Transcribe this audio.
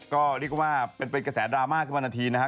ก็เรียกมาที่เป็นกระแสดราม่าขึ้นมานาทีนะฮะ